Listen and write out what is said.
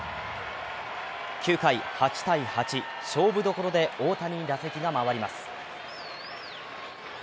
９回、８−８、勝負どころで大谷に打席が回ります。